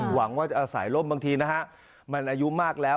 หวังว่าอาศัยล่มบางทีนะฮะมันอายุมากแล้ว